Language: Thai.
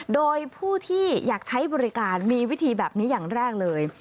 โดยผู้ที่อยากใช้บริการมีวิธีแบบนี้อย่างแรกเลย